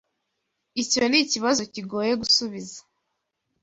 Icyo nikibazo kigoye gusubiza.